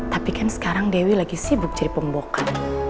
tapi kan sekarang dewi lagi sibuk jadi pembongkar